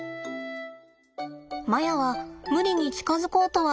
マヤは無理に近づこうとはしません。